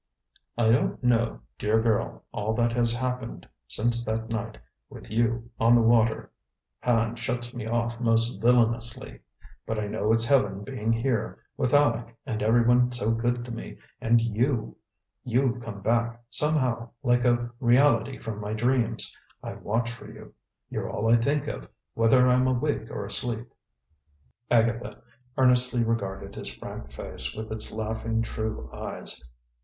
"I don't know, dear girl, all that has happened since that night with you on the water. Hand shuts me off most villainously. But I know it's Heaven being here, with Aleck and every one so good to me, and you! You've come back, somehow, like a reality from my dreams. I watch for you. You're all I think of, whether I'm awake or asleep." Agatha earnestly regarded his frank face, with its laughing, true eyes.